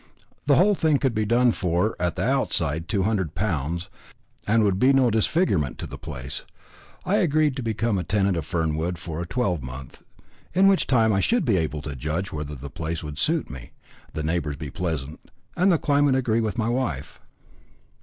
The whole thing could be done for, at the outside, two hundred pounds, and would be no disfigurement to the place. I agreed to become tenant of Fernwood for a twelvemonth, in which time I should be able to judge whether the place would suit me, the neighbours be pleasant, and the climate agree with my wife.